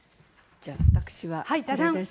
じゃあ、私はこれです。